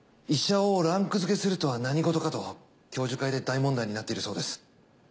医者をランク付けするとは何事かと教授会で大問題になっているそうです。